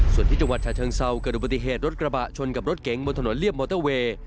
ส่วนที่จังหวัดชาเชิงเซาเกิดอุบัติเหตุรถกระบะชนกับรถเก๋งบนถนนเรียบมอเตอร์เวย์